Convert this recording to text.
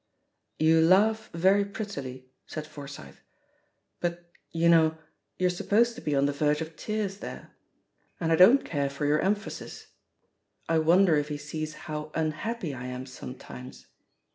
"You laugh very prettily,'* said Forsyth; *T)ut, you know, you're supposed to be on the verge of tears there. And I don't care for your emphasis, *I wonder if he sees how v/nkappy I am sometimes.'